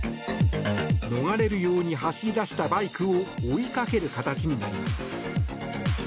逃れるように走り出したバイクを追いかける形になります。